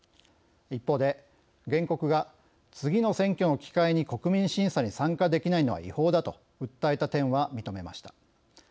一方で、原告が「次の選挙の機会に、国民審査に参加できないのは違法だ」と訴えた点は認めました。